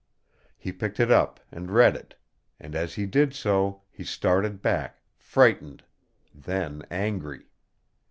He picked it up and read it, and as he did so he started back, frightened then angry.